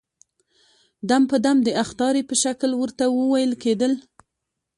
دم په دم د اخطارې په شکل ورته وويل کېدل.